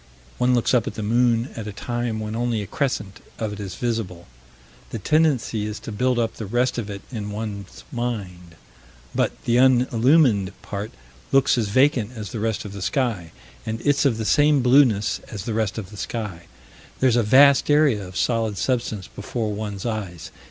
One looks up at the moon, at a time when only a crescent of it is visible. The tendency is to build up the rest of it in one's mind; but the unillumined part looks as vacant as the rest of the sky, and it's of the same blueness as the rest of the sky. There's a vast area of solid substance before one's eyes.